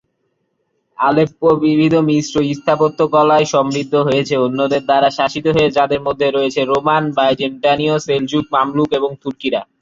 Aleppo বিবিধ মিশ্র স্থাপত্যকলায় সমৃদ্ধ হয়েছে অন্যদের দ্বারা শাসিত হয়ে যাদের মধ্যে রয়েছে রোমান, বাইজেন্টানীয়, সেলজুক, মামলুক এবং তুর্কিরা।